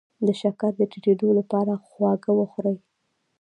د شکر د ټیټیدو لپاره خواږه وخورئ